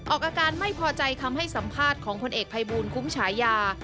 ออกอาการไม่พอใจคำให้สัมภาษณ์ของพลเอกภัยบูลคุ้มฉายา